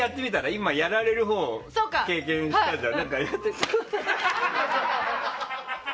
今、やられるほうを経験したじゃん。